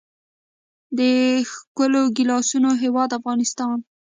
د ښکلو ګیلاسونو هیواد افغانستان.